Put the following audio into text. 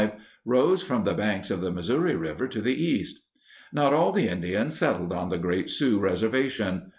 named Standing Rock in 1875), rose from the banks of the Missouri River to the east. Not all the Indians settled on the Great Sioux Reservation.